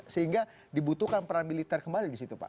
sehingga dibutuhkan peran militer kembali disitu pak